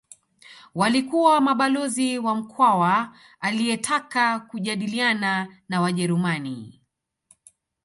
Walikuwa mabalozi wa Mkwawa aliyetaka kujadiliana na Wajerumani